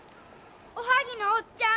おはぎのおっちゃん。